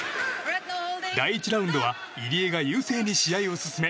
第１ラウンドは入江が優勢に試合を進め